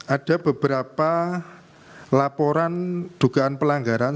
ada beberapa laporan dugaan pelanggaran